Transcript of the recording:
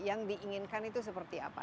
yang diinginkan itu seperti apa